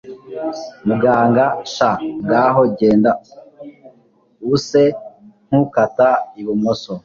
muganga sha ngaho genda, use nkukata ibumoso